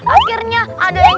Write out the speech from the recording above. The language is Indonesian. akhirnya ada yang